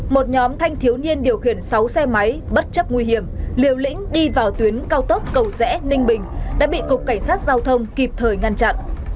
một nhóm thanh thiếu nhiên điều khiển sáu xe máy bất chấp nguy hiểm liều lĩnh đi vào tuyến cao tốc cầu rẽ ninh bình đã bị cục cảnh sát giao thông kịp thời ngăn chặn